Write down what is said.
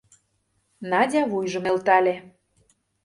Надя вуйжым нӧлтале.